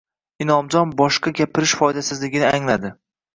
Inomjon boshqa gapirish foydasizligini angladi